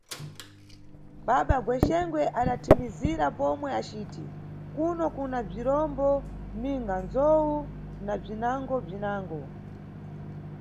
Baba Gwexengwe adathimizira pomwe aciti: Kuno, kuna bzirombo ninga ndzowu na bzinangobzinango.